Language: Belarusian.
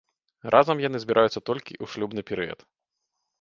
Разам яны збіраюцца толькі ў шлюбны перыяд.